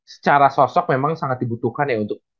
secara sosok memang sangat dibutuhkan ya untuk